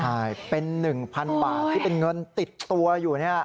ใช่เป็น๑๐๐๐บาทที่เป็นเงินติดตัวอยู่เนี่ย